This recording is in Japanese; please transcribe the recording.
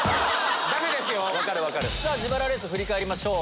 さぁ自腹レース振り返りましょう。